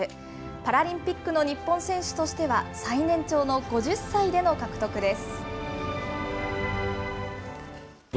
パラリンピックの日本選手としては最年長の５０歳での獲得です。